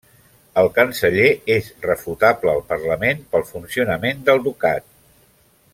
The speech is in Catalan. El Canceller és 'refutable al Parlament' pel funcionament del ducat.